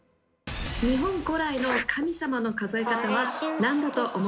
日本古来の神様の数え方は何だと思いますか？